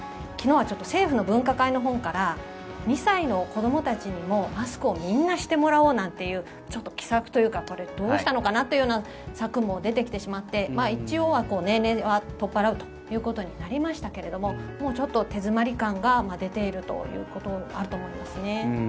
昨日は政府の分科会のほうから２歳の子どもたちにもマスクをみんなしてもらおうなんていうちょっと奇策というかこれ、どうしたのかなというような策も出てきてしまって一応は年齢は取っ払うということになりましたけどもうちょっと手詰まり感が出ているということがあると思いますね。